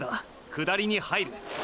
下りに入る！！